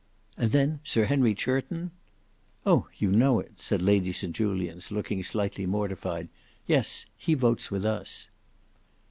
"And then Sir Henry Churton—" "Oh! you know it," said Lady St Julians, looking slightly mortified. "Yes: he votes with us."